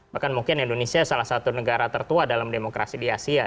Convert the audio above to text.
bahkan mungkin indonesia salah satu negara tertua dalam demokrasi di asia